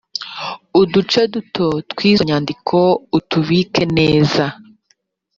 uduce duto twizo nyandiko utubike neza